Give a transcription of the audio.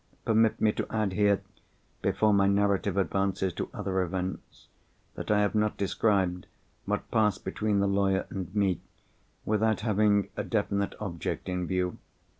Permit me to add here, before my narrative advances to other events, that I have not described what passed between the lawyer and me, without having a definite object in view.